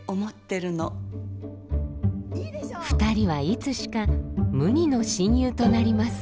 ２人はいつしか無二の親友となります。